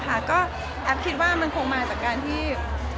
ก็แอฟคิดว่ามันคงมาจากการที่